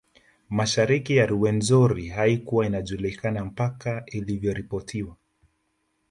Mashariki ya Ruwenzori haikuwa inajulikana mpaka ilivyoripotiwa